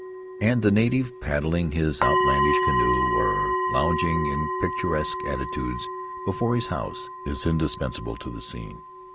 And the native, paddling his out landish canoe or lounging in picturesque attitudes before his house, is indispensable to the scene.